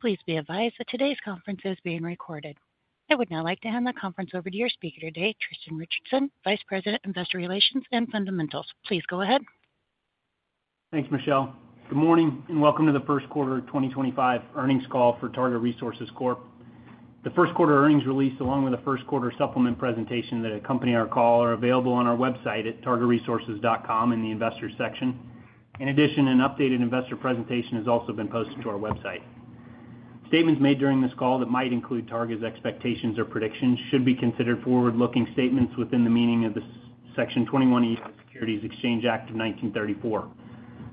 Please be advised that today's conference is being recorded. I would now like to hand the conference over to your speaker today, Tristan Richardson, Vice President, Investor Relations and Fundamentals. Please go ahead. Thanks, Michelle. Good morning and welcome to the First Quarter 2025 Earnings Call for Targa Resources. The first quarter earnings release, along with the first quarter supplement presentation that accompany our call, are available on our website at targaresources.com in the investors section. In addition, an updated investor presentation has also been posted to our website. Statements made during this call that might include Targa's expectations or predictions should be considered forward-looking statements within the meaning of the Section 21E U.S. Securities Exchange Act of 1934.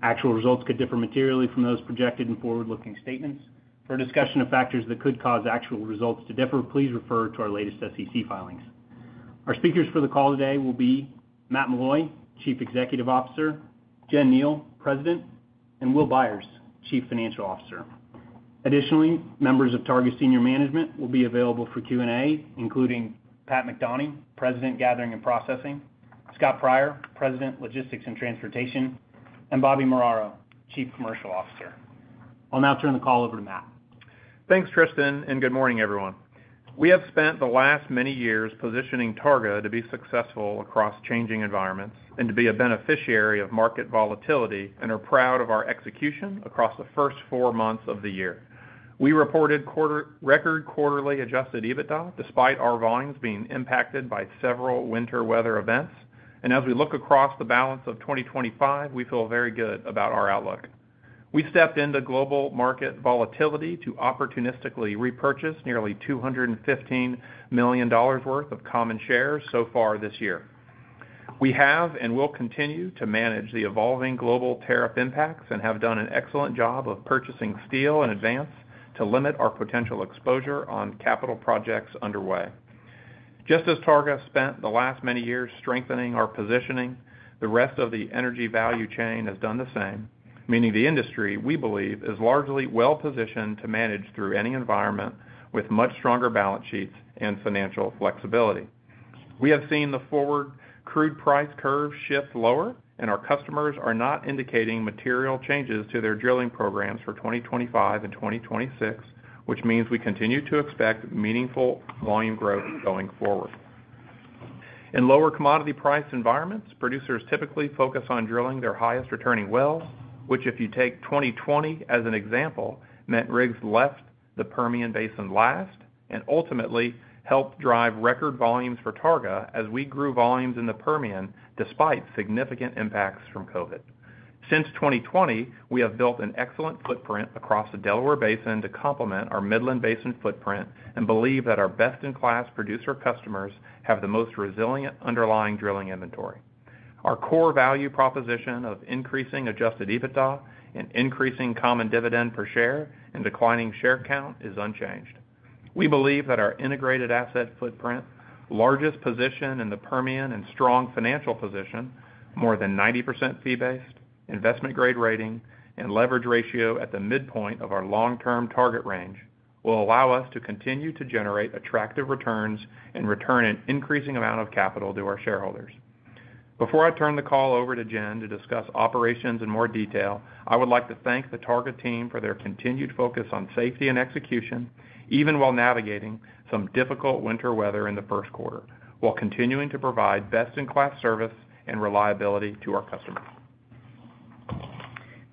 Actual results could differ materially from those projected in forward-looking statements. For discussion of factors that could cause actual results to differ, please refer to our latest SEC filings. Our speakers for the call today will be Matt Meloy, Chief Executive Officer; Jen Kneale, President; and Will Byers, Chief Financial Officer. Additionally, members of Targa Senior Management will be available for Q&A, including Pat McDonie, President, Gathering and Processing; Scott Pryor, President, Logistics and Transportation; and Bobby Muraro, Chief Commercial Officer. I'll now turn the call over to Matt. Thanks, Tristan, and good morning, everyone. We have spent the last many years positioning Targa to be successful across changing environments and to be a beneficiary of market volatility and are proud of our execution across the first four months of the year. We reported record quarterly Adjusted EBITDA despite our volumes being impacted by several winter weather events, and as we look across the balance of 2025, we feel very good about our outlook. We stepped into global market volatility to opportunistically repurchase nearly $215 million worth of common shares so far this year. We have and will continue to manage the evolving global tariff impacts and have done an excellent job of purchasing steel in advance to limit our potential exposure on capital projects underway. Just as Targa spent the last many years strengthening our positioning, the rest of the energy value chain has done the same, meaning the industry we believe is largely well-positioned to manage through any environment with much stronger balance sheets and financial flexibility. We have seen the forward crude price curve shift lower, and our customers are not indicating material changes to their drilling programs for 2025 and 2026, which means we continue to expect meaningful volume growth going forward. In lower commodity price environments, producers typically focus on drilling their highest returning wells, which, if you take 2020 as an example, meant rigs left the Permian Basin last and ultimately helped drive record volumes for Targa as we grew volumes in the Permian despite significant impacts from COVID. Since 2020, we have built an excellent footprint across the Delaware Basin to complement our Midland Basin footprint and believe that our best-in-class producer customers have the most resilient underlying drilling inventory. Our core value proposition of increasing Adjusted EBITDA and increasing common dividend per share and declining share count is unchanged. We believe that our integrated asset footprint, largest position in the Permian, and strong financial position, more than 90% fee-based, investment-grade rating, and leverage ratio at the midpoint of our long-term target range will allow us to continue to generate attractive returns and return an increasing amount of capital to our shareholders. Before I turn the call over to Jen to discuss operations in more detail, I would like to thank the Targa team for their continued focus on safety and execution, even while navigating some difficult winter weather in the first quarter, while continuing to provide best-in-class service and reliability to our customers.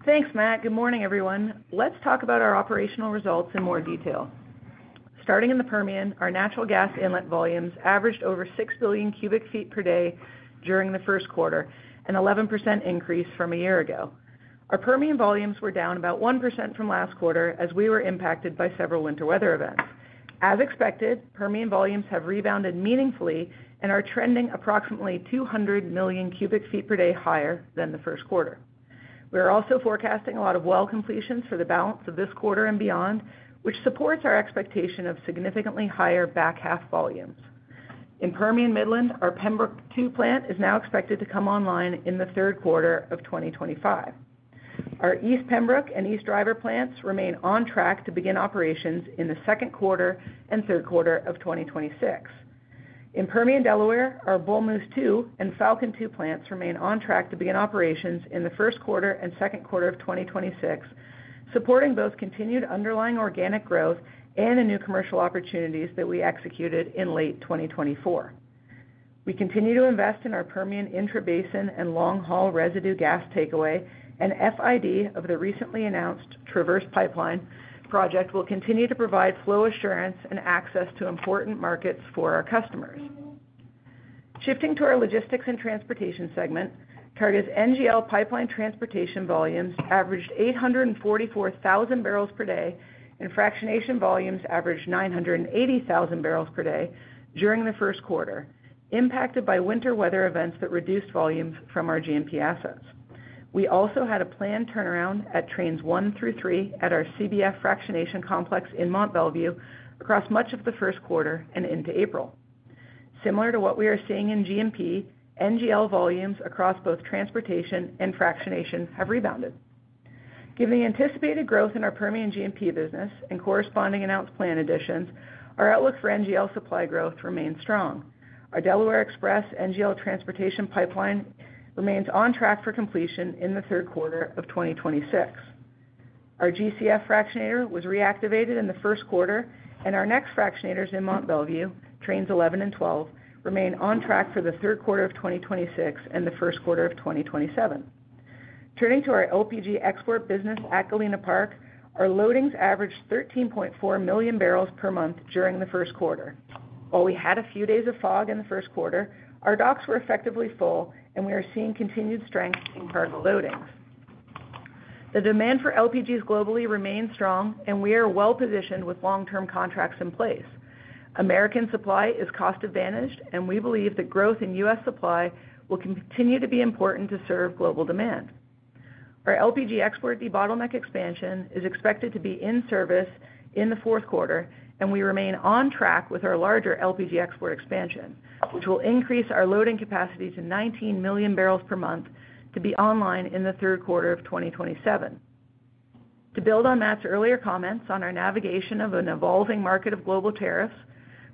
Thanks, Matt. Good morning, everyone. Let's talk about our operational results in more detail. Starting in the Permian, our natural gas inlet volumes averaged over 6 billion cubic feet per day during the first quarter, an 11% increase from a year ago. Our Permian volumes were down about 1% from last quarter as we were impacted by several winter weather events. As expected, Permian volumes have rebounded meaningfully and are trending approximately 200 million cubic feet per day higher than the first quarter. We are also forecasting a lot of well completions for the balance of this quarter and beyond, which supports our expectation of significantly higher back half volumes. In Permian Midland, our Pembrook II plant is now expected to come online in the third quarter of 2025. Our East Pembrook and East Driver plants remain on track to begin operations in the second quarter and third quarter of 2026. In Permian Delaware, our Bull Moose II and Falcon II plants remain on track to begin operations in the first quarter and second quarter of 2026, supporting both continued underlying organic growth and the new commercial opportunities that we executed in late 2024. We continue to invest in our Permian intra-basin and long-haul residue gas takeaway, and FID of the recently announced Traverse Pipeline project will continue to provide flow assurance and access to important markets for our customers. Shifting to our logistics and transportation segment, Targa's NGL pipeline transportation volumes averaged 844,000 barrels per day, and fractionation volumes averaged 980,000 barrels per day during the first quarter, impacted by winter weather events that reduced volumes from our G&P assets. We also had a planned turnaround at Trains 1,2,3 at our CBF fractionation complex in Mont Belvieu across much of the first quarter and into April. Similar to what we are seeing in G&P, NGL volumes across both transportation and fractionation have rebounded. Given the anticipated growth in our Permian G&P business and corresponding announced plant additions, our outlook for NGL supply growth remains strong. Our Delaware Express NGL transportation pipeline remains on track for completion in the third quarter of 2026. Our GCF fractionator was reactivated in the first quarter, and our next fractionators in Mont Belvieu, Trains 11 and 12, remain on track for the third quarter of 2026 and the first quarter of 2027. Turning to our LPG export business at Galena Park, our loadings averaged 13.4 million barrels per month during the first quarter. While we had a few days of fog in the first quarter, our docks were effectively full, and we are seeing continued strength in cargo loadings. The demand for LPGs globally remains strong, and we are well-positioned with long-term contracts in place. American supply is cost advantaged, and we believe that growth in U.S. supply will continue to be important to serve global demand. Our LPG export debottleneck expansion is expected to be in service in the fourth quarter, and we remain on track with our larger LPG export expansion, which will increase our loading capacity to 19 million barrels per month to be online in the third quarter of 2027. To build on Matt's earlier comments on our navigation of an evolving market of global tariffs,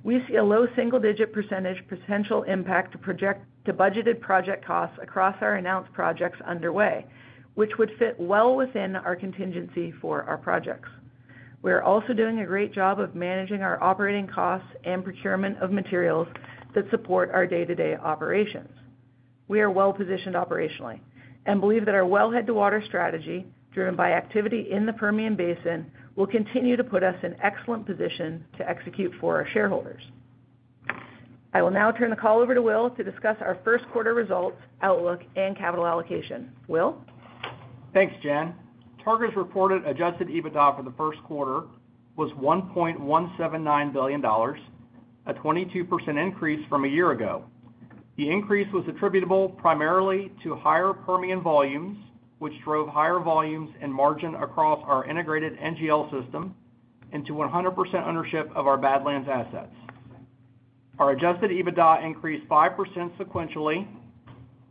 we see a low single-digit % potential impact to budgeted project costs across our announced projects underway, which would fit well within our contingency for our projects. We are also doing a great job of managing our operating costs and procurement of materials that support our day-to-day operations. We are well-positioned operationally and believe that our Well-Head to Water strategy, driven by activity in the Permian Basin, will continue to put us in excellent position to execute for our shareholders. I will now turn the call over to Will to discuss our first quarter results, outlook, and capital allocation. Will? Thanks, Jen. Targa's reported Adjusted EBITDA for the first quarter was $1.179 billion, a 22% increase from a year ago. The increase was attributable primarily to higher Permian volumes, which drove higher volumes and margin across our integrated NGL system into 100% ownership of our Badlands assets. Our Adjusted EBITDA increased 5% sequentially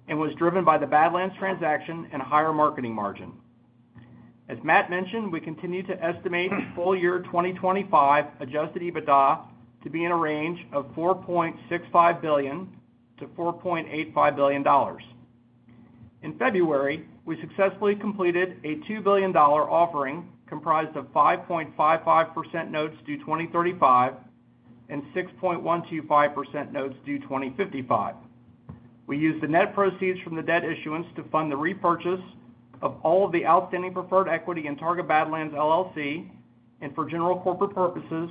and was driven by the Badlands transaction and higher marketing margin. As Matt mentioned, we continue to estimate full year 2025 Adjusted EBITDA to be in a range of $4.65 billion-$4.85 billion. In February, we successfully completed a $2 billion offering comprised of 5.55% notes due 2035 and 6.125% notes due 2055. We used the net proceeds from the debt issuance to fund the repurchase of all of the outstanding preferred equity in Targa Badlands and for general corporate purposes,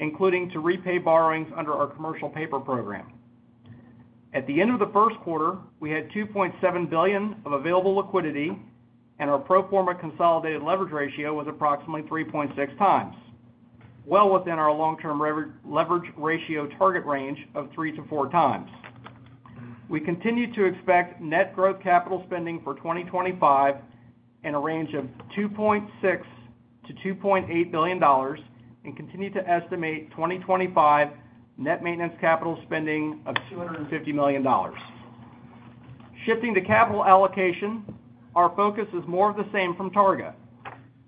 including to repay borrowings under our commercial paper program. At the end of the first quarter, we had $2.7 billion of available liquidity, and our pro forma consolidated leverage ratio was approximately 3.6 times, well within our long-term leverage ratio target range of three to four times. We continue to expect net growth capital spending for 2025 in a range of $2.6 billion-$2.8 billion and continue to estimate 2025 net maintenance capital spending of $250 million. Shifting to capital allocation, our focus is more of the same from Targa: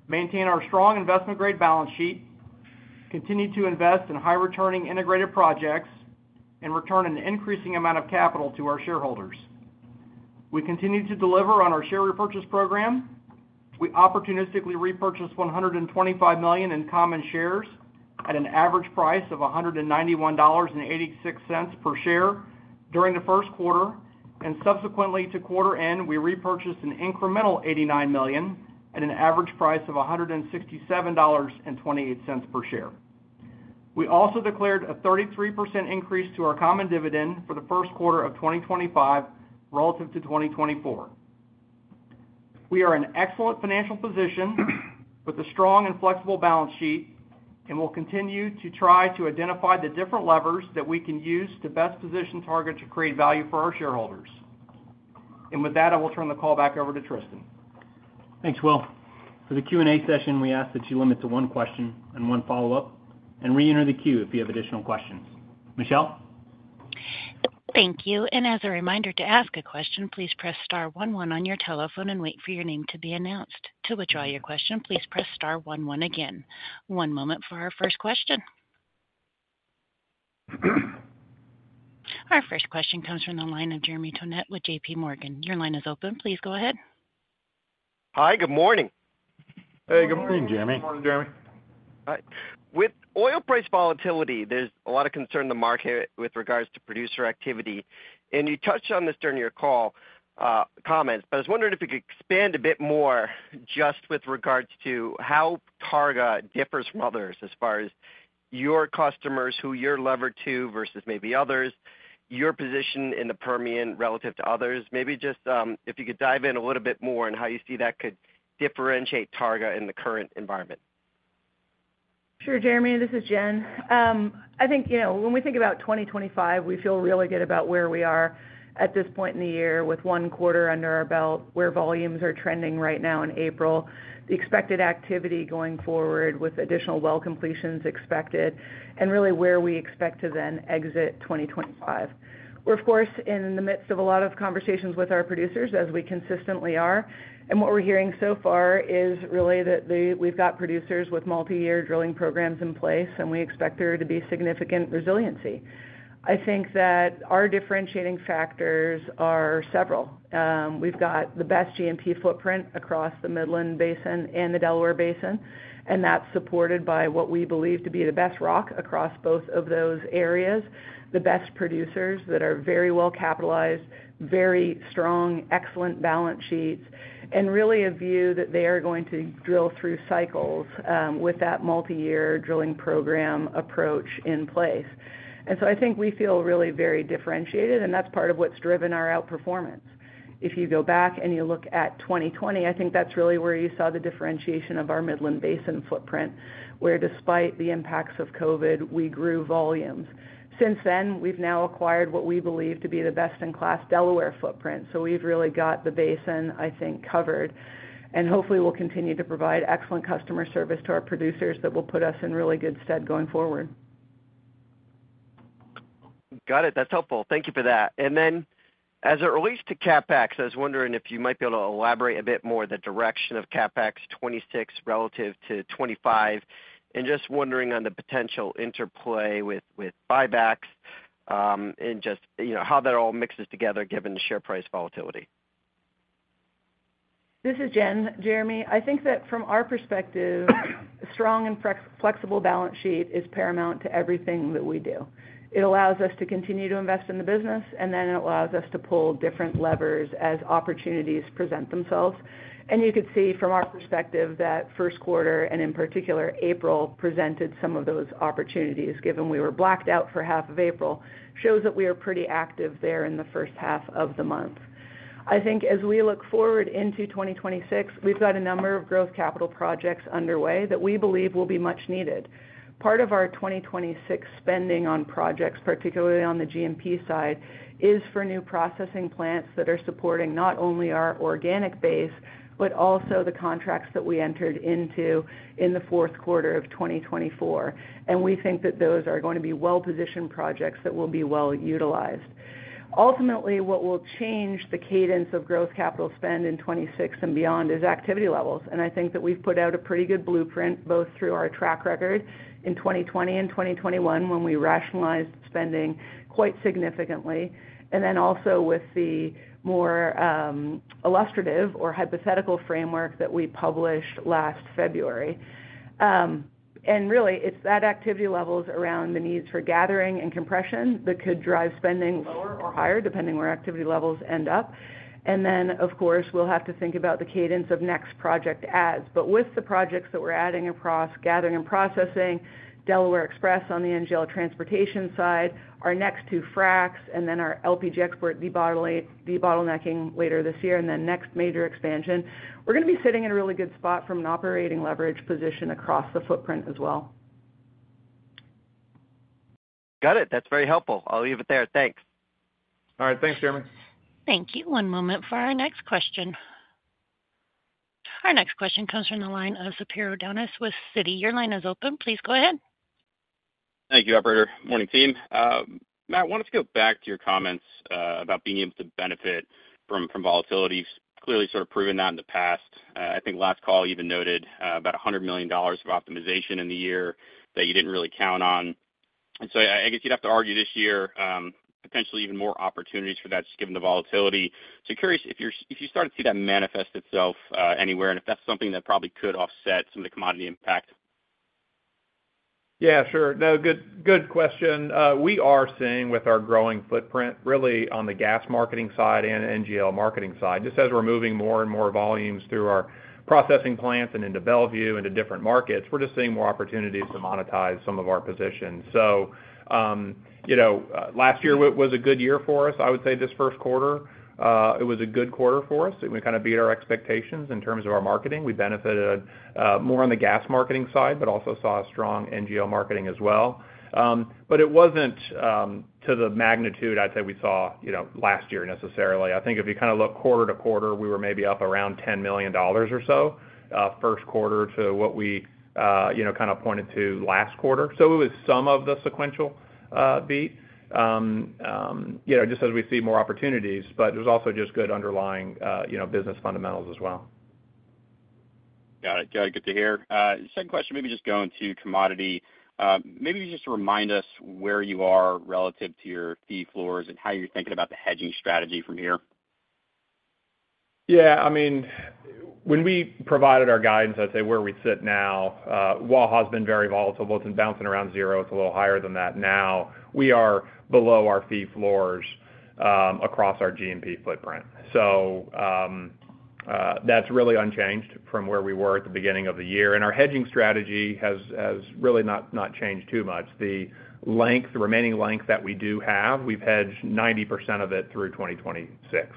maintain our strong investment-grade balance sheet, continue to invest in high-returning integrated projects, and return an increasing amount of capital to our shareholders. We continue to deliver on our share repurchase program. We opportunistically repurchased $125 million in common shares at an average price of $191.86 per share during the first quarter, and subsequently to quarter end, we repurchased an incremental $89 million at an average price of $167.28 per share. We also declared a 33% increase to our common dividend for the first quarter of 2025 relative to 2024. We are in excellent financial position with a strong and flexible balance sheet and will continue to try to identify the different levers that we can use to best position Targa to create value for our shareholders. With that, I will turn the call back over to Tristan. Thanks, Will. For the Q&A session, we ask that you limit to one question and one follow-up and reenter the queue if you have additional questions. Michelle? Thank you. As a reminder to ask a question, please press star one one on your telephone and wait for your name to be announced. To withdraw your question, please press star one one again. One moment for our first question. Our first question comes from the line of Jeremy Tonet with J.P. Morgan. Your line is open. Please go ahead. Hi. Good morning. Hey. Good morning, Jeremy. Good morning, Jeremy. All right. With oil price volatility, there's a lot of concern in the market with regards to producer activity. You touched on this during your call comments, but I was wondering if you could expand a bit more just with regards to how Targa differs from others as far as your customers, who you're levered to versus maybe others, your position in the Permian relative to others. Maybe just if you could dive in a little bit more and how you see that could differentiate Targa in the current environment. Sure, Jeremy. This is Jen. I think when we think about 2025, we feel really good about where we are at this point in the year with one quarter under our belt, where volumes are trending right now in April, the expected activity going forward with additional well completions expected, and really where we expect to then exit 2025. We are, of course, in the midst of a lot of conversations with our producers, as we consistently are. What we are hearing so far is really that we have got producers with multi-year drilling programs in place, and we expect there to be significant resiliency. I think that our differentiating factors are several. We've got the best G&P footprint across the Midland Basin and the Delaware Basin, and that's supported by what we believe to be the best rock across both of those areas, the best producers that are very well capitalized, very strong, excellent balance sheets, and really a view that they are going to drill through cycles with that multi-year drilling program approach in place. I think we feel really very differentiated, and that's part of what's driven our outperformance. If you go back and you look at 2020, I think that's really where you saw the differentiation of our Midland Basin footprint, where despite the impacts of COVID, we grew volumes. Since then, we've now acquired what we believe to be the best-in-class Delaware footprint. We have really got the basin, I think, covered, and hopefully will continue to provide excellent customer service to our producers that will put us in really good stead going forward. Got it. That's helpful. Thank you for that. As it relates to CapEx, I was wondering if you might be able to elaborate a bit more the direction of CapEx 2026 relative to 2025, and just wondering on the potential interplay with buybacks and just how that all mixes together given the share price volatility. This is Jen. Jeremy, I think that from our perspective, a strong and flexible balance sheet is paramount to everything that we do. It allows us to continue to invest in the business, and it allows us to pull different levers as opportunities present themselves. You could see from our perspective that first quarter, and in particular April, presented some of those opportunities, given we were blacked out for half of April, shows that we are pretty active there in the first half of the month. I think as we look forward into 2026, we have got a number of growth capital projects underway that we believe will be much needed. Part of our 2026 spending on projects, particularly on the G&P side, is for new processing plants that are supporting not only our organic base, but also the contracts that we entered into in the fourth quarter of 2024. We think that those are going to be well-positioned projects that will be well utilized. Ultimately, what will change the cadence of growth capital spend in 2026 and beyond is activity levels. I think that we have put out a pretty good blueprint both through our track record in 2020 and 2021 when we rationalized spending quite significantly, and also with the more illustrative or hypothetical framework that we published last February. Really, it is that activity levels around the needs for gathering and compression that could drive spending lower or higher depending where activity levels end up. Of course, we'll have to think about the cadence of next project adds. With the projects that we're adding across gathering and processing, Delaware Express on the NGL transportation side, our next two fracs, and then our LPG export debottlenecking later this year, and then next major expansion, we're going to be sitting in a really good spot from an operating leverage position across the footprint as well. Got it. That's very helpful. I'll leave it there. Thanks. All right. Thanks, Jeremy. Thank you. One moment for our next question. Our next question comes from the line of Spiro Dounis with Citi. Your line is open. Please go ahead. Thank you, Operator. Morning, team. Matt, I wanted to go back to your comments about being able to benefit from volatility. Clearly sort of proven that in the past. I think last call you even noted about $100 million of optimization in the year that you did not really count on. I guess you would have to argue this year potentially even more opportunities for that just given the volatility. Curious if you start to see that manifest itself anywhere and if that is something that probably could offset some of the commodity impact. Yeah, sure. No, good question. We are seeing with our growing footprint really on the gas marketing side and NGL marketing side. Just as we're moving more and more volumes through our processing plants and into Mont Belvieu into different markets, we're just seeing more opportunities to monetize some of our positions. Last year was a good year for us. I would say this first quarter, it was a good quarter for us. It kind of beat our expectations in terms of our marketing. We benefited more on the gas marketing side, but also saw strong NGL marketing as well. It was not to the magnitude I would say we saw last year necessarily. I think if you kind of look quarter to quarter, we were maybe up around $10 million or so first quarter to what we kind of pointed to last quarter. It was some of the sequential beat just as we see more opportunities, but it was also just good underlying business fundamentals as well. Got it. Got it. Good to hear. Second question, maybe just going to commodity. Maybe just remind us where you are relative to your fee floors and how you're thinking about the hedging strategy from here. Yeah. I mean, when we provided our guidance, I'd say where we sit now, Waha has been very volatile. It's been bouncing around zero. It's a little higher than that now. We are below our fee floors across our G&P footprint. So that's really unchanged from where we were at the beginning of the year. Our hedging strategy has really not changed too much. The remaining length that we do have, we've hedged 90% of it through 2026.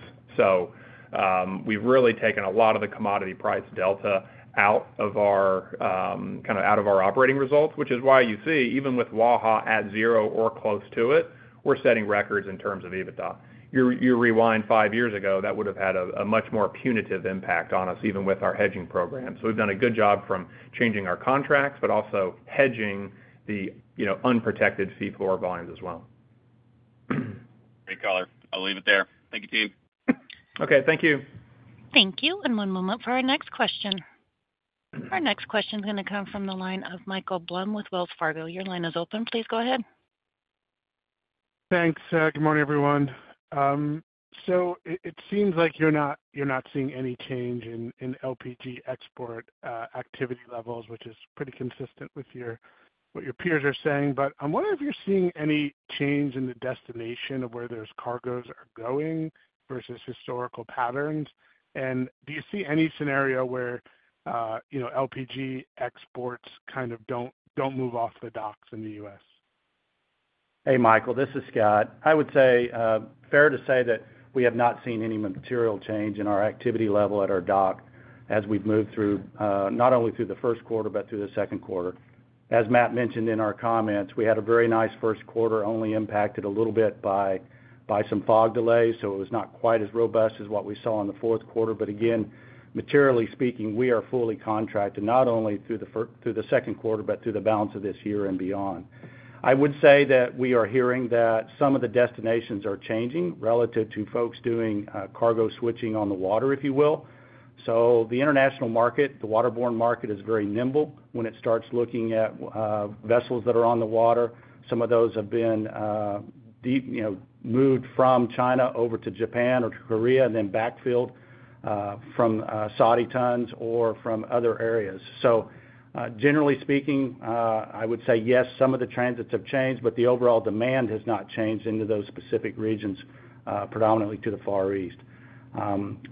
We've really taken a lot of the commodity price delta out of our kind of out of our operating results, which is why you see even with Waha at zero or close to it, we're setting records in terms of EBITDA. You rewind five years ago, that would have had a much more punitive impact on us even with our hedging program. We have done a good job from changing our contracts, but also hedging the unprotected fee floor volumes as well. Great caller. I'll leave it there. Thank you, team. Okay. Thank you. Thank you. One moment for our next question. Our next question is going to come from the line of Michael Blum with Wells Fargo. Your line is open. Please go ahead. Thanks. Good morning, everyone. It seems like you're not seeing any change in LPG export activity levels, which is pretty consistent with what your peers are saying. I'm wondering if you're seeing any change in the destination of where those cargoes are going versus historical patterns. Do you see any scenario where LPG exports kind of don't move off the docks in the U.S.? Hey, Michael. This is Scott. I would say fair to say that we have not seen any material change in our activity level at our dock as we've moved through not only through the first quarter, but through the second quarter. As Matt mentioned in our comments, we had a very nice first quarter only impacted a little bit by some fog delays, so it was not quite as robust as what we saw in the fourth quarter. Again, materially speaking, we are fully contracted, not only through the second quarter, but through the balance of this year and beyond. I would say that we are hearing that some of the destinations are changing relative to folks doing cargo switching on the water, if you will. The international market, the waterborne market, is very nimble when it starts looking at vessels that are on the water. Some of those have been moved from China over to Japan or to Korea and then backfilled from Saudi tons or from other areas. Generally speaking, I would say yes, some of the transits have changed, but the overall demand has not changed into those specific regions, predominantly to the Far East.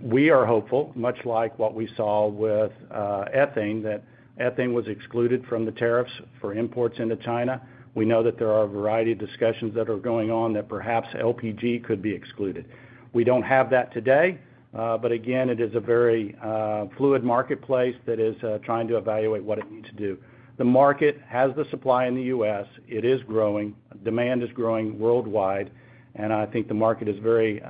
We are hopeful, much like what we saw with ethane, that ethane was excluded from the tariffs for imports into China. We know that there are a variety of discussions that are going on that perhaps LPG could be excluded. We do not have that today, but again, it is a very fluid marketplace that is trying to evaluate what it needs to do. The market has the supply in the U.S. It is growing. Demand is growing worldwide. I think the market is very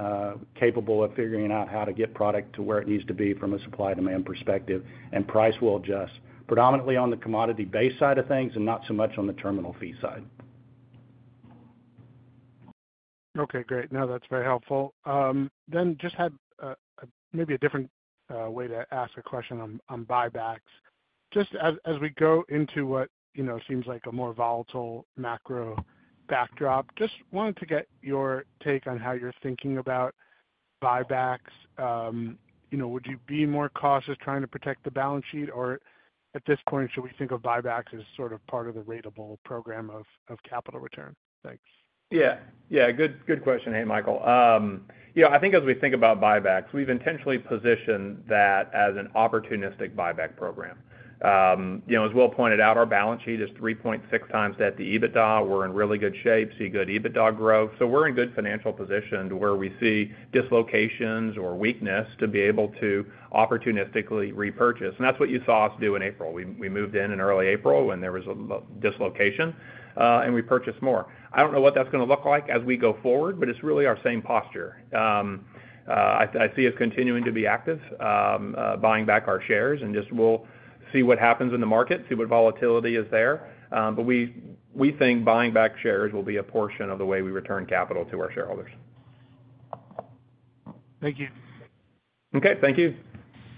capable of figuring out how to get product to where it needs to be from a supply-demand perspective, and price will adjust predominantly on the commodity-based side of things and not so much on the terminal fee side. Okay. Great. Now that's very helpful. Just had maybe a different way to ask a question on buybacks. Just as we go into what seems like a more volatile macro backdrop, just wanted to get your take on how you're thinking about buybacks. Would you be more cautious trying to protect the balance sheet, or at this point, should we think of buybacks as sort of part of the rateable program of capital return? Thanks. Yeah. Yeah. Good question, hey, Michael. I think as we think about buybacks, we've intentionally positioned that as an opportunistic buyback program. As Will pointed out, our balance sheet is 3.6 times the EBITDA. We're in really good shape. See good EBITDA growth. We're in good financial position to where we see dislocations or weakness to be able to opportunistically repurchase. That's what you saw us do in April. We moved in in early April when there was a dislocation, and we purchased more. I don't know what that's going to look like as we go forward, but it's really our same posture. I see us continuing to be active, buying back our shares, and just we'll see what happens in the market, see what volatility is there. We think buying back shares will be a portion of the way we return capital to our shareholders. Thank you. Okay. Thank you.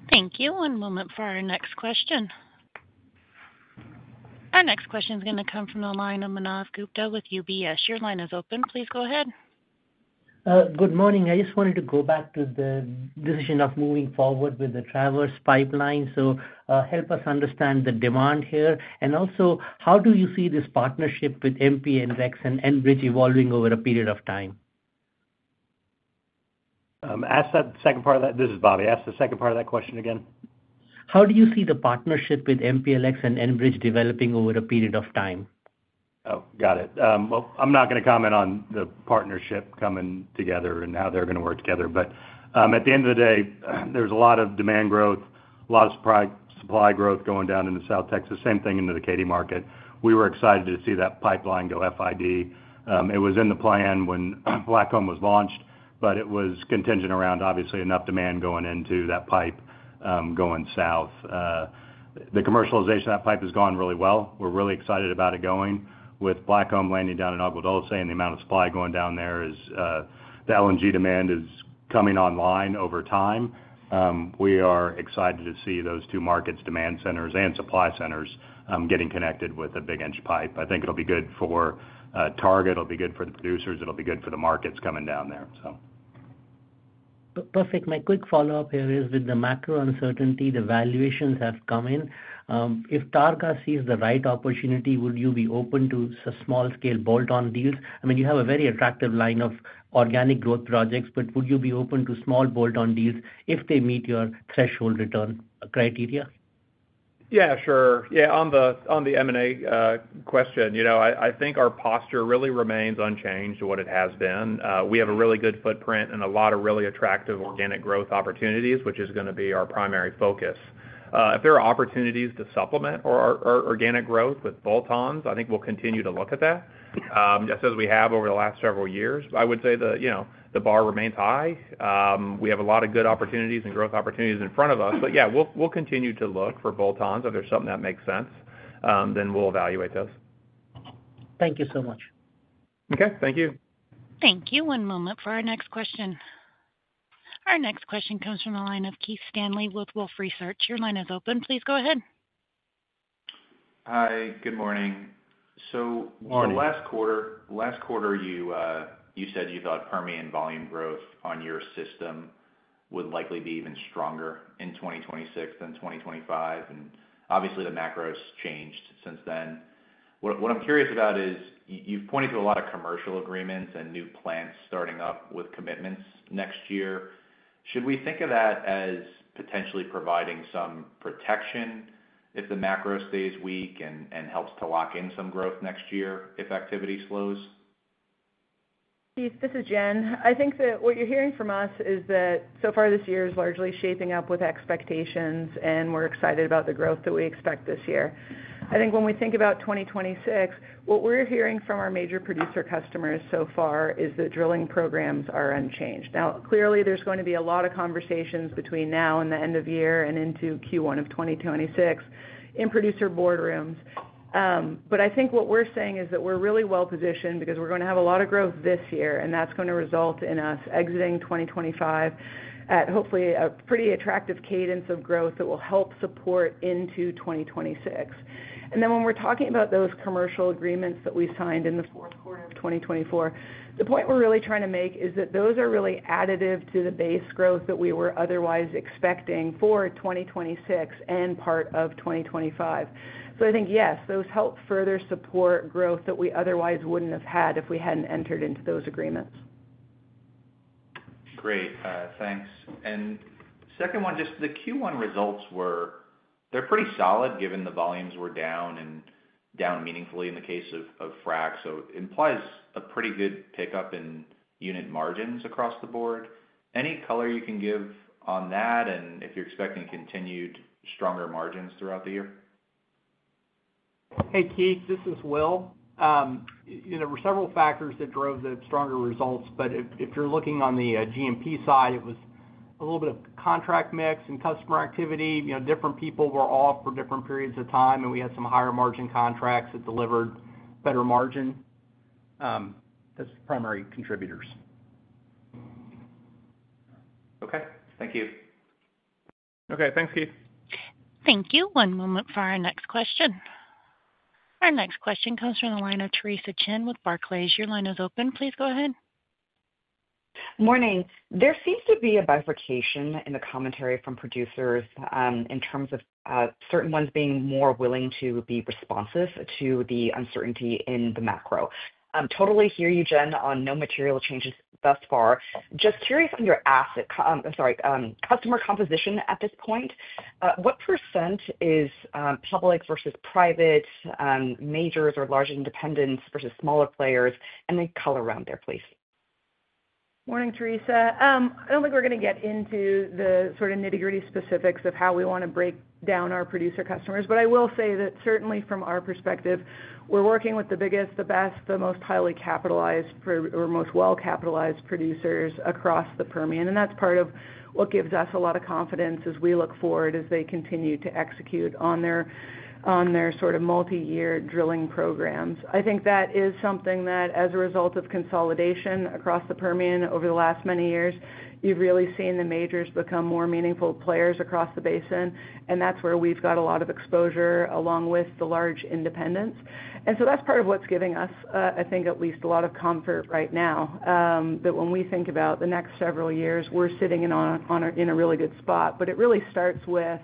Thank you. One moment for our next question. Our next question is going to come from the line of Manav Gupta with UBS. Your line is open. Please go ahead. Good morning. I just wanted to go back to the decision of moving forward with the Traverse Pipeline. Help us understand the demand here. Also, how do you see this partnership with MPLX and Enbridge evolving over a period of time? Ask that second part of that. This is Bobby. Ask the second part of that question again. How do you see the partnership with MPLX and Enbridge developing over a period of time? Oh, got it. I'm not going to comment on the partnership coming together and how they're going to work together. At the end of the day, there's a lot of demand growth, a lot of supply growth going down into South Texas, same thing into the Katy market. We were excited to see that pipeline go FID. It was in the plan when Blackcomb was launched, but it was contingent around obviously enough demand going into that pipe going south. The commercialization of that pipe has gone really well. We're really excited about it going with Blackcomb landing down in Agua Dulce, saying the amount of supply going down there is the LNG demand is coming online over time. We are excited to see those two markets, demand centers and supply centers, getting connected with a big-inch pipe. I think it'll be good for Targa. It'll be good for the producers. It'll be good for the markets coming down there. Perfect. My quick follow-up here is with the macro uncertainty, the valuations have come in. If Targa sees the right opportunity, would you be open to small-scale bolt-on deals? I mean, you have a very attractive line of organic growth projects, but would you be open to small bolt-on deals if they meet your threshold return criteria? Yeah, sure. Yeah. On the M&A question, I think our posture really remains unchanged to what it has been. We have a really good footprint and a lot of really attractive organic growth opportunities, which is going to be our primary focus. If there are opportunities to supplement our organic growth with bolt-ons, I think we'll continue to look at that just as we have over the last several years. I would say the bar remains high. We have a lot of good opportunities and growth opportunities in front of us. Yeah, we'll continue to look for bolt-ons. If there's something that makes sense, then we'll evaluate those. Thank you so much. Okay. Thank you. Thank you. One moment for our next question. Our next question comes from the line of Keith Stanley with Wolfe Research. Your line is open. Please go ahead. Hi. Good morning. Last quarter, you said you thought Permian volume growth on your system would likely be even stronger in 2026 than 2025. Obviously, the macro's changed since then. What I'm curious about is you've pointed to a lot of commercial agreements and new plants starting up with commitments next year. Should we think of that as potentially providing some protection if the macro stays weak and helps to lock in some growth next year if activity slows? Keith, this is Jen. I think that what you're hearing from us is that so far this year is largely shaping up with expectations, and we're excited about the growth that we expect this year. I think when we think about 2026, what we're hearing from our major producer customers so far is that drilling programs are unchanged. Now, clearly, there's going to be a lot of conversations between now and the end of year and into Q1 of 2026 in producer boardrooms. I think what we're saying is that we're really well positioned because we're going to have a lot of growth this year, and that's going to result in us exiting 2025 at hopefully a pretty attractive cadence of growth that will help support into 2026. When we're talking about those commercial agreements that we signed in the fourth quarter of 2024, the point we're really trying to make is that those are really additive to the base growth that we were otherwise expecting for 2026 and part of 2025. I think, yes, those help further support growth that we otherwise wouldn't have had if we hadn't entered into those agreements. Great. Thanks. Second one, just the Q1 results were, they're pretty solid given the volumes were down and down meaningfully in the case of frac. It implies a pretty good pickup in unit margins across the board. Any color you can give on that and if you're expecting continued stronger margins throughout the year? Hey, Keith, this is Will. There were several factors that drove the stronger results, but if you're looking on the G&P side, it was a little bit of contract mix and customer activity. Different people were off for different periods of time, and we had some higher margin contracts that delivered better margin. That's the primary contributors. Okay. Thank you. Okay. Thanks, Keith. Thank you. One moment for our next question. Our next question comes from the line of Theresa Chen with Barclays. Your line is open. Please go ahead. Morning. There seems to be a bifurcation in the commentary from producers in terms of certain ones being more willing to be responsive to the uncertainty in the macro. Totally hear you, Jen, on no material changes thus far. Just curious on your customer composition at this point. What percent is public versus private majors or large independents versus smaller players? Color around there, please. Morning, Theresa. I do not think we are going to get into the sort of nitty-gritty specifics of how we want to break down our producer customers. I will say that certainly from our perspective, we are working with the biggest, the best, the most highly capitalized or most well-capitalized producers across the Permian. That is part of what gives us a lot of confidence as we look forward as they continue to execute on their sort of multi-year drilling programs. I think that is something that, as a result of consolidation across the Permian over the last many years, you have really seen the majors become more meaningful players across the basin. That is where we have got a lot of exposure along with the large independents. That is part of what is giving us, I think, at least a lot of comfort right now, that when we think about the next several years, we are sitting in a really good spot. It really starts with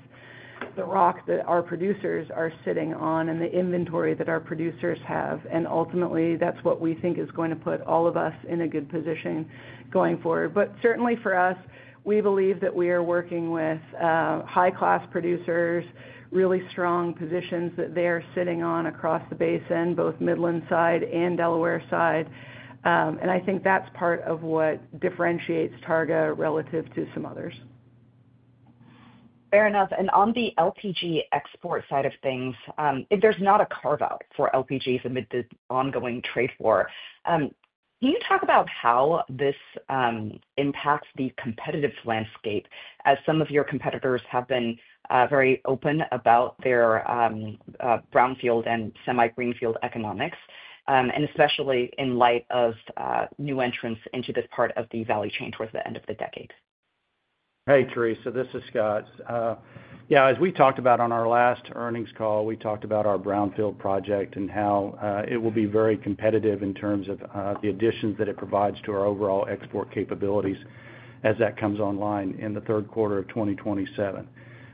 the rock that our producers are sitting on and the inventory that our producers have. Ultimately, that is what we think is going to put all of us in a good position going forward. Certainly for us, we believe that we are working with high-class producers, really strong positions that they are sitting on across the basin, both Midland side and Delaware side. I think that is part of what differentiates Targa relative to some others. Fair enough. On the LPG export side of things, if there's not a carve-out for LPGs amid the ongoing trade war, can you talk about how this impacts the competitive landscape as some of your competitors have been very open about their brownfield and semi-greenfield economics, especially in light of new entrants into this part of the value chain towards the end of the decade? Hey, Theresa. This is Scott. Yeah. As we talked about on our last earnings call, we talked about our brownfield project and how it will be very competitive in terms of the additions that it provides to our overall export capabilities as that comes online in the third quarter of 2027.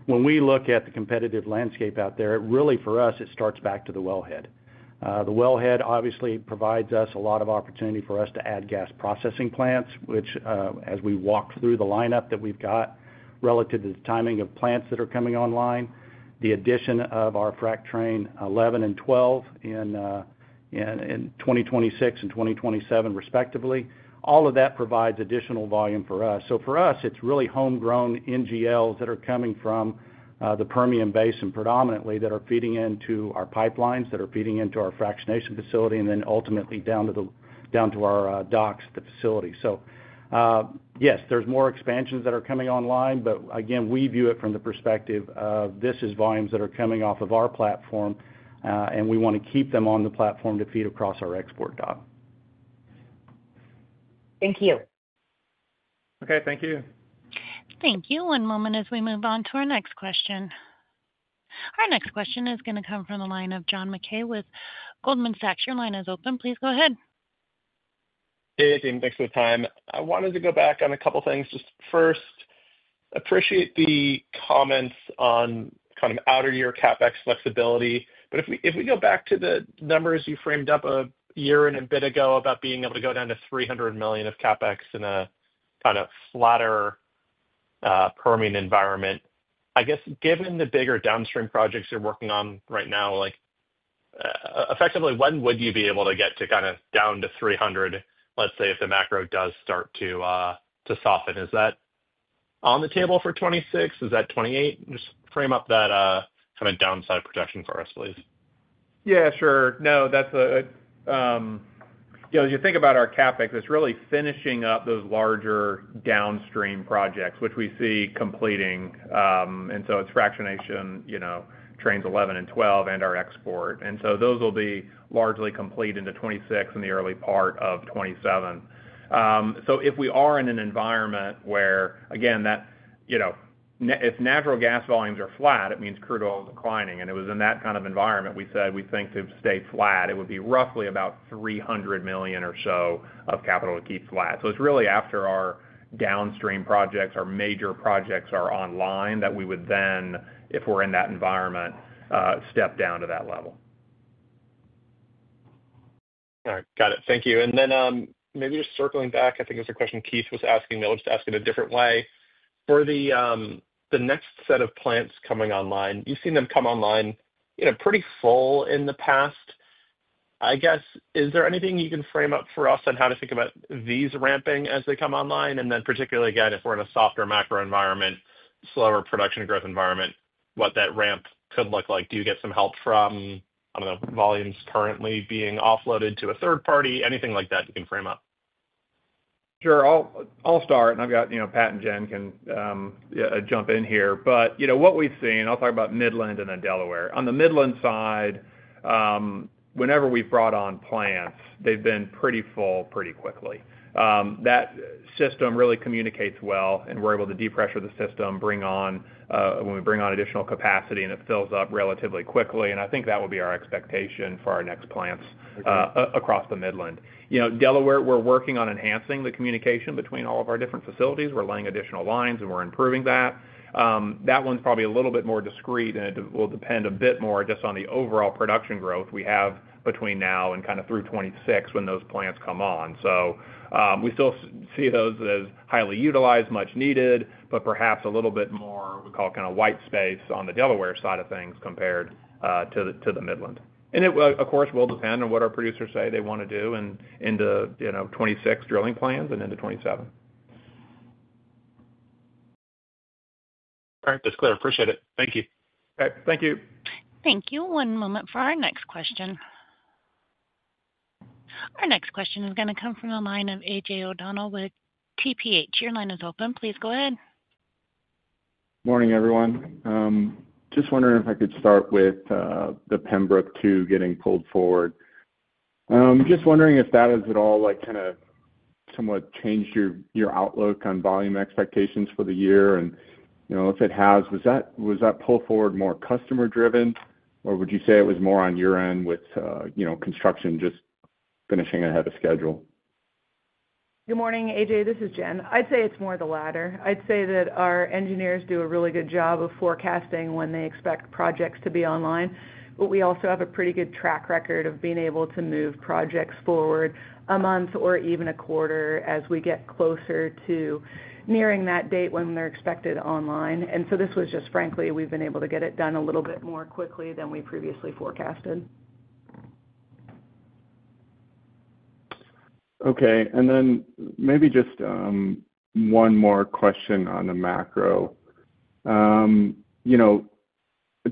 When we look at the competitive landscape out there, really for us, it starts back to the wellhead. The wellhead obviously provides us a lot of opportunity for us to add gas processing plants, which as we walk through the lineup that we've got relative to the timing of plants that are coming online, the addition of our frac Train 11 and 12 in 2026 and 2027 respectively, all of that provides additional volume for us. For us, it's really homegrown NGLs that are coming from the Permian Basin predominantly that are feeding into our pipelines, that are feeding into our fractionation facility, and then ultimately down to our docks, the facility. Yes, there's more expansions that are coming online. Again, we view it from the perspective of this is volumes that are coming off of our platform, and we want to keep them on the platform to feed across our export dock. Thank you. Okay. Thank you. Thank you. One moment as we move on to our next question. Our next question is going to come from the line of John Mackay with Goldman Sachs. Your line is open. Please go ahead. Hey, team. Thanks for the time. I wanted to go back on a couple of things. Just first, appreciate the comments on kind of outer year CapEx flexibility. If we go back to the numbers you framed up a year and a bit ago about being able to go down to $300 million of CapEx in a kind of flatter Permian environment, I guess given the bigger downstream projects you're working on right now, effectively, when would you be able to get to kind of down to $300, let's say, if the macro does start to soften? Is that on the table for 2026? Is that 2028? Just frame up that kind of downside projection for us, please. Yeah, sure. No, that's a—you think about our CapEx, it's really finishing up those larger downstream projects, which we see completing. It's fractionation Trains 11 and 12 and our export. Those will be largely complete into 2026 in the early part of 2027. If we are in an environment where, again, if natural gas volumes are flat, it means crude oil is declining. It was in that kind of environment we said we think to stay flat, it would be roughly about $300 million or so of capital to keep flat. It's really after our downstream projects, our major projects are online that we would then, if we're in that environment, step down to that level. All right. Got it. Thank you. Maybe just circling back, I think it was a question Keith was asking. I'll just ask it a different way. For the next set of plants coming online, you've seen them come online pretty full in the past. I guess, is there anything you can frame up for us on how to think about these ramping as they come online? Particularly, again, if we're in a softer macro environment, slower production growth environment, what that ramp could look like? Do you get some help from, I don't know, volumes currently being offloaded to a third party? Anything like that you can frame up? Sure. I'll start, and I've got Pat and Jen can jump in here. What we've seen, I'll talk about Midland and then Delaware. On the Midland side, whenever we've brought on plants, they've been pretty full pretty quickly. That system really communicates well, and we're able to depressure the system, bring on when we bring on additional capacity, and it fills up relatively quickly. I think that will be our expectation for our next plants across the Midland. Delaware, we're working on enhancing the communication between all of our different facilities. We're laying additional lines, and we're improving that. That one's probably a little bit more discreet, and it will depend a bit more just on the overall production growth we have between now and kind of through 2026 when those plants come on. We still see those as highly utilized, much needed, but perhaps a little bit more, we call it kind of white space on the Delaware side of things compared to the Midland. It will, of course, depend on what our producers say they want to do into 2026 drilling plans and into 2027. All right. That's clear. Appreciate it. Thank you. Okay. Thank you. Thank you. One moment for our next question. Our next question is going to come from the line of A.J. O'Donnell with TPH. Your line is open. Please go ahead. Morning, everyone. Just wondering if I could start with the Pembrook II getting pulled forward. Just wondering if that has at all kind of somewhat changed your outlook on volume expectations for the year. If it has, was that pull forward more customer-driven, or would you say it was more on your end with construction just finishing ahead of schedule? Good morning, A.J. This is Jen. I'd say it's more the latter. I'd say that our engineers do a really good job of forecasting when they expect projects to be online. We also have a pretty good track record of being able to move projects forward a month or even a quarter as we get closer to nearing that date when they're expected online. This was just, frankly, we've been able to get it done a little bit more quickly than we previously forecasted. Okay. Maybe just one more question on the macro.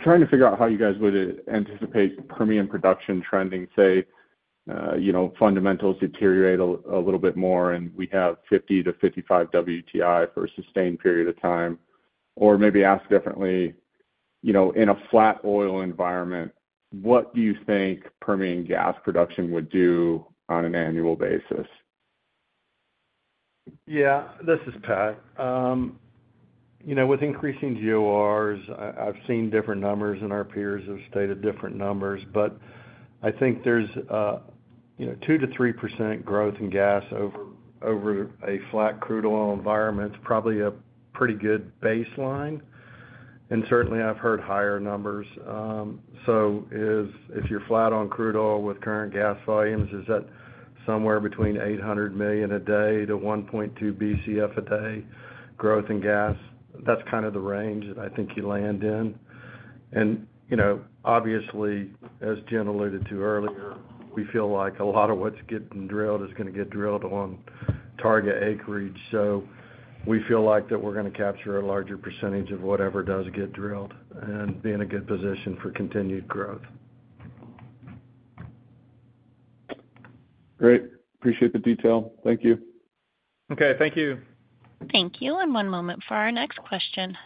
Trying to figure out how you guys would anticipate Permian production trending, say, fundamentals deteriorate a little bit more and we have $50 to $55 WTI for a sustained period of time, or maybe ask differently, in a flat oil environment, what do you think Permian gas production would do on an annual basis? Yeah. This is Pat. With increasing GORs, I've seen different numbers, and our peers have stated different numbers. I think there's 2-3% growth in gas over a flat crude oil environment, probably a pretty good baseline. Certainly, I've heard higher numbers. If you're flat on crude oil with current gas volumes, is that somewhere between 800 million a day to 1.2 BCF a day growth in gas? That's kind of the range that I think you land in. Obviously, as Jen alluded to earlier, we feel like a lot of what's getting drilled is going to get drilled on target acreage. We feel like that we're going to capture a larger percentage of whatever does get drilled and be in a good position for continued growth. Great. Appreciate the detail. Thank you. Okay. Thank you. Thank you. One moment for our next question.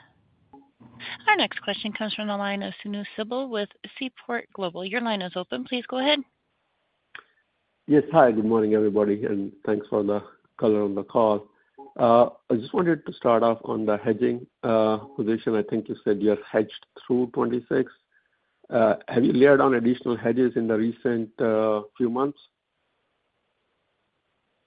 Our next question comes from the line of Sunil Sibal with Seaport Global. Your line is open. Please go ahead. Yes. Hi, good morning, everybody. Thanks for the color on the call. I just wanted to start off on the hedging position. I think you said you have hedged through 2026. Have you layered on additional hedges in the recent few months?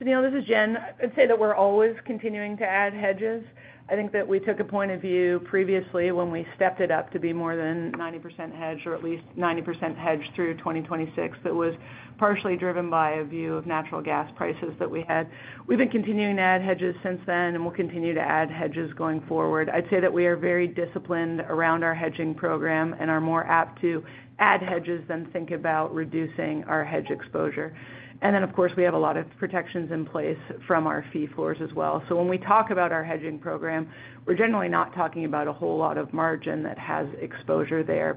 Sunil, this is Jen. I'd say that we're always continuing to add hedges. I think that we took a point of view previously when we stepped it up to be more than 90% hedged or at least 90% hedged through 2026. That was partially driven by a view of natural gas prices that we had. We've been continuing to add hedges since then, and we'll continue to add hedges going forward. I'd say that we are very disciplined around our hedging program and are more apt to add hedges than think about reducing our hedge exposure. Of course, we have a lot of protections in place from our fee floors as well. When we talk about our hedging program, we're generally not talking about a whole lot of margin that has exposure there.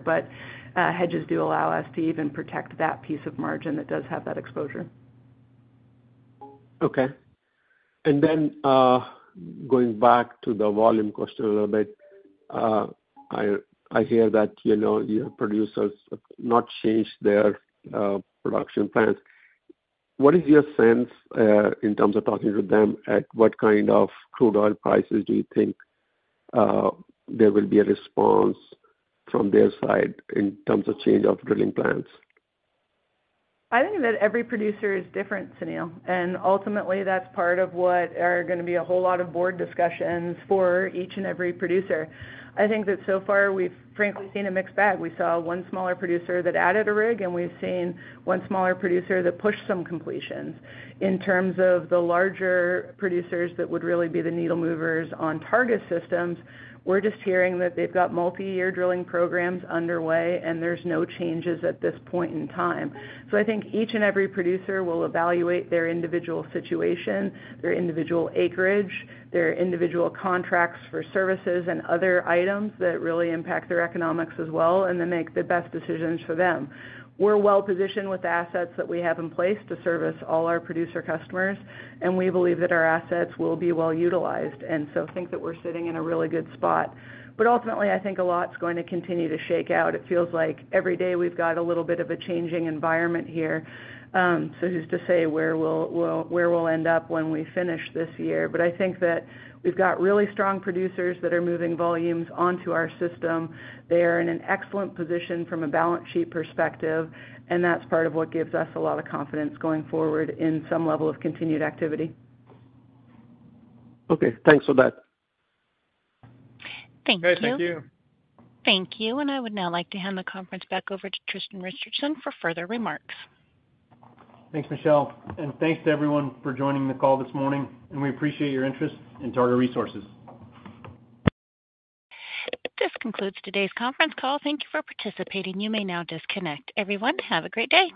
Hedges do allow us to even protect that piece of margin that does have that exposure. Okay. Going back to the volume question a little bit, I hear that your producers have not changed their production plans. What is your sense in terms of talking to them at what kind of crude oil prices do you think there will be a response from their side in terms of change of drilling plans? I think that every producer is different, Sunil. Ultimately, that's part of what are going to be a whole lot of board discussions for each and every producer. I think that so far, we've frankly seen a mixed bag. We saw one smaller producer that added a rig, and we've seen one smaller producer that pushed some completions. In terms of the larger producers that would really be the needle movers on Targa systems, we're just hearing that they've got multi-year drilling programs underway, and there's no changes at this point in time. I think each and every producer will evaluate their individual situation, their individual acreage, their individual contracts for services and other items that really impact their economics as well, and then make the best decisions for them. We're well-positioned with the assets that we have in place to service all our producer customers, and we believe that our assets will be well utilized. I think that we're sitting in a really good spot. Ultimately, I think a lot's going to continue to shake out. It feels like every day we've got a little bit of a changing environment here. Who's to say where we'll end up when we finish this year? I think that we've got really strong producers that are moving volumes onto our system. They are in an excellent position from a balance sheet perspective, and that's part of what gives us a lot of confidence going forward in some level of continued activity. Okay. Thanks for that. Thank you. Thank you. Thank you. I would now like to hand the conference back over to Tristan Richardson for further remarks. Thanks, Michelle. Thanks to everyone for joining the call this morning, and we appreciate your interest in Targa Resources. This concludes today's conference call. Thank you for participating. You may now disconnect. Everyone, have a great day.